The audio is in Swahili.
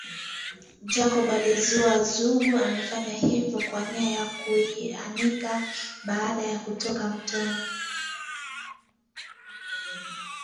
Jacob alijua Zugu amefanya hivyo kwa nia ya kuianika baada ya kutoka mtoni